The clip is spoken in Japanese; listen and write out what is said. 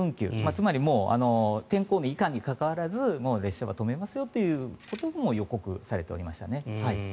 つまり天候面いかんに関わらず列車は止めますよということも予告されていましたね。